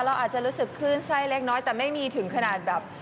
เราอาจจะรู้สึกคลื่นไส้เล็กน้อยแต่ไม่มีถึงขนาดแบบ